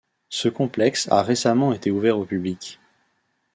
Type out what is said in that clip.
Ce complexe a récemment été ouvert au public.